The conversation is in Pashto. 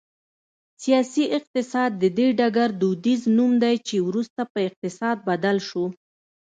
سیاسي اقتصاد د دې ډګر دودیز نوم دی چې وروسته په اقتصاد بدل شو